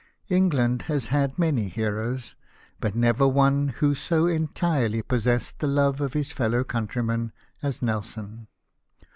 England has had many heroes, but never one who so entirely possessed the love of his fellow countrymen as Nelson.